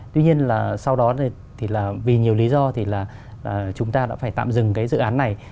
tuy nhiên sau đó vì nhiều lý do chúng ta đã phải tạm dừng dự án này